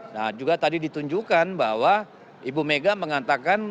nah juga tadi ditunjukkan bahwa ibu mega mengatakan